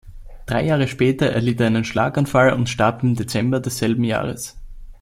Drei Jahre später erlitt er einen Schlaganfall und starb im Dezember desselben Jahres.